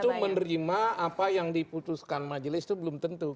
itu menerima apa yang diputuskan majelis itu belum tentu